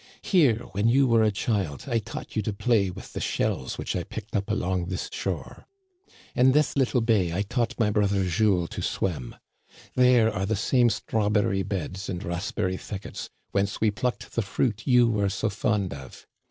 Here, when you were a child, I taught you to play with the shells which I picked up along this shore. In this little bay I taught my brother Jules to swim.' There are the same strawberry beds and raspberry thickets whence we plucked the fruit you were so fond of.